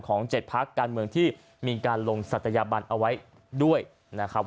๗พักการเมืองที่มีการลงศัตยาบันเอาไว้ด้วยนะครับ